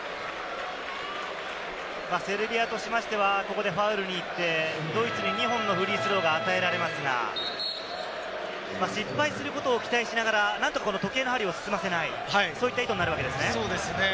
セルビアとしましては、ここでファウルに行って、ドイツに２本のフリースローが与えられますが、失敗することを期待しながら、なんとか時計の針を進ませない、そういった意図になるわけですね。